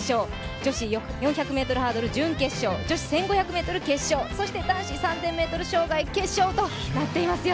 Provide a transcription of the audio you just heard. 女子４００ｍハードル準決勝、女子１５００ｍ決勝、そして男子３０００ｍ障害決勝となっていますよ。